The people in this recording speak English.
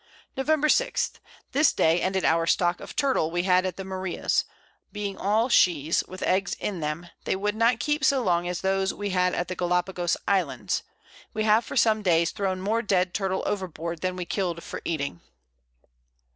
Nov. 6. This Day ended our Stock of Turtle we had at the Marias; being all Shes, with Eggs in them, they would not keep so long as those we had at the Gallapagos Islands: We have for some Days thrown more dead Turtle overboard than we kill'd for eating.